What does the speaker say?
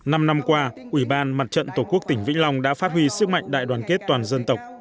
năm năm qua ủy ban mặt trận tổ quốc tỉnh vĩnh long đã phát huy sức mạnh đại đoàn kết toàn dân tộc